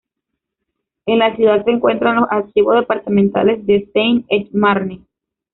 En la ciudad se encuentran los Archivos departamentales de Seine-et-Marne